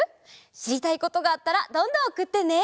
しりたいことがあったらどんどんおくってね！